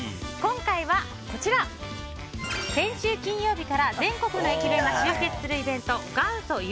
今回は先週金曜日から全国の駅弁が集結するイベント元祖